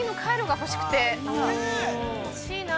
欲しいなあ。